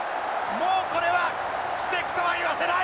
もうこれは奇跡とは言わせない！